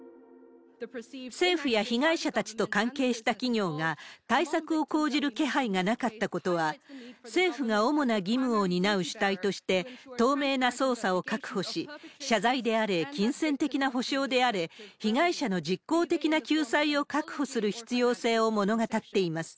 政府や被害者たちと関係した企業が対策を講じる気配がなかったことは、政府が主な義務を担う主体として透明な捜査を確保し、謝罪であれ、金銭的な補償であれ、被害者の実行的な救済を確保する必要性を物語っています。